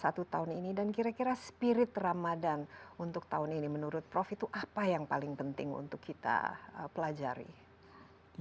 satu tahun ini dan kira kira spirit ramadan untuk tahun ini menurut prof itu apa yang paling penting untuk kita pelajari